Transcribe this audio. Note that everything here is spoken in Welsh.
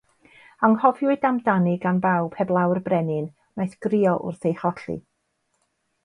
Anghofiwyd amdani gan bawb, heblaw'r Brenin, wnaeth grio wrth ei cholli.